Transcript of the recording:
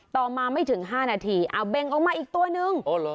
ต่อมาไม่ถึงห้านาทีอ่าเบ่งออกมาอีกตัวหนึ่งโอ้โหเหรอ